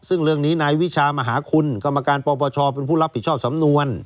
ซึ่งเรื่องนี้นายวิชามหาคุณกรรมการปปชเป็นผู้รับผิดชอบสำนวน